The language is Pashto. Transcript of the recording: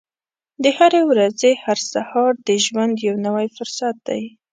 د هرې ورځې هر سهار د ژوند یو نوی فرصت دی.